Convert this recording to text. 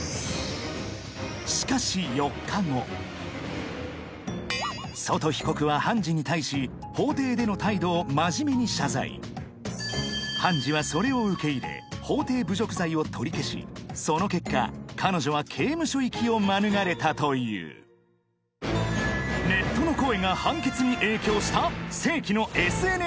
しかしソト被告は判事に対し法廷での態度を真面目に謝罪判事はそれを受け入れその結果彼女は刑務所行きを免れたというネットの声が判決に影響した！？